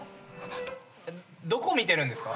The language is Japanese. どこ見てるんですか？